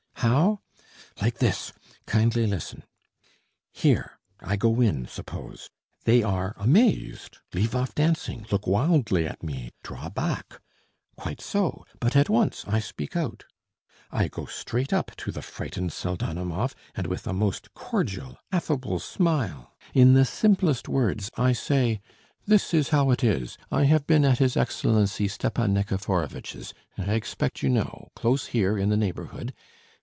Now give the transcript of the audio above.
How? Like this. Kindly listen.... "Here ... I go in, suppose; they are amazed, leave off dancing, look wildly at me, draw back. Quite so, but at once I speak out: I go straight up to the frightened Pseldonimov, and with a most cordial, affable smile, in the simplest words, I say: 'This is how it is, I have been at his Excellency Stepan Nikiforovitch's. I expect you know, close here in the neighbourhood....'